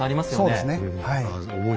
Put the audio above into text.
そうですねはい。